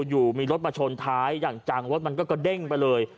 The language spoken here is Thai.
อยู่มีรถมาชนท้ายอย่างจังรถมันก็กระเด้งไปเลย